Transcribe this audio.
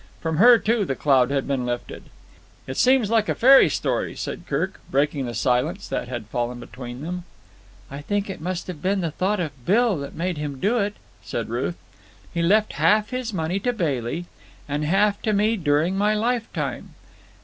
From her, too, the cloud had been lifted. "It seems like a fairy story," said Kirk, breaking the silence that had fallen between them. "I think it must have been the thought of Bill that made him do it," said Ruth. "He left half his money to Bailey and half to me during my lifetime.